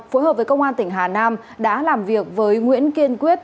phối hợp với công an tỉnh hà nam đã làm việc với nguyễn kiên quyết